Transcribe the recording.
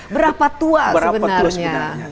berapa tua sebenarnya